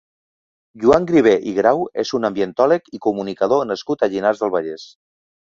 Joan Grivé i Grau és un ambientòleg i comunicador nascut a Llinars del Vallès.